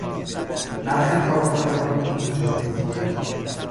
برخی کارخانهها دود ایجاد میکنند.